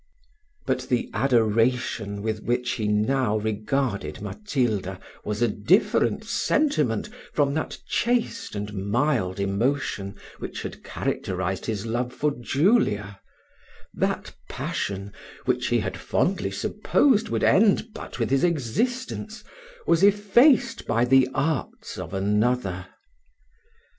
But the adoration with which he now regarded Matilda, was a different sentiment from that chaste and mild emotion which had characterised his love for Julia: that passion, which he had fondly supposed would end but with his existence, was effaced by the arts of another.